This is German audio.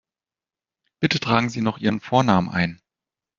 Bitte tragen Sie noch Ihren Vornamen ein.